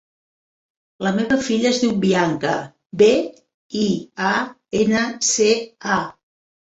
La meva filla es diu Bianca: be, i, a, ena, ce, a.